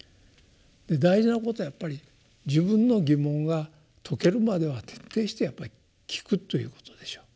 大事なことはやっぱり自分の疑問が解けるまでは徹底してやっぱり聞くということでしょう。